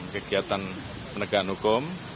kegiatan penegahan hukum